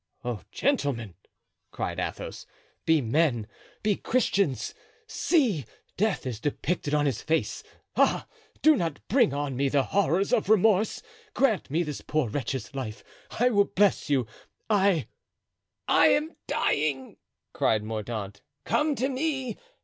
"Oh, gentlemen!" cried Athos, "be men! be Christians! See! death is depicted on his face! Ah! do not bring on me the horrors of remorse! Grant me this poor wretch's life. I will bless you—I——" "I am dying!" cried Mordaunt, "come to me!